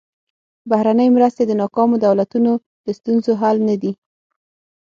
بهرنۍ مرستې د ناکامو دولتونو د ستونزو حل نه دي.